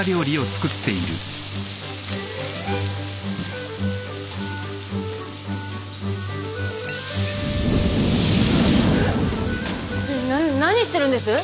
何してるんです？